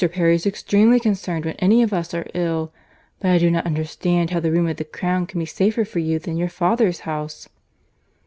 Perry is extremely concerned when any of us are ill. But I do not understand how the room at the Crown can be safer for you than your father's house."